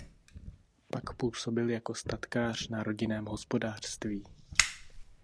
Pak působil jako statkář na rodinném hospodářství.